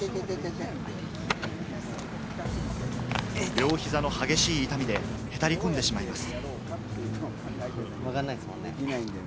両膝の激しい痛みで、へたり込んでしまいます。